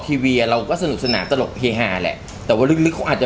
ทีวีเราก็สนุกสนานตลกเฮฮาแหละแต่ว่าลึกลึกเขาอาจจะ